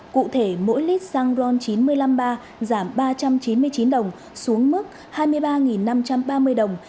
cụ thể mỗi lít xăng ron chín trăm năm mươi ba giảm ba trăm chín mươi chín đồng xuống mức hai mươi ba năm trăm ba mươi đồng